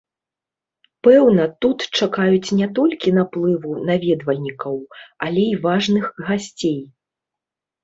Пэўна, тут чакаюць не толькі наплыву наведвальнікаў, але і важных гасцей.